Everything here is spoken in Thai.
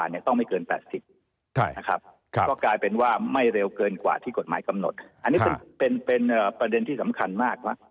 อันนี้เป็นประเด็นที่สำคัญมาก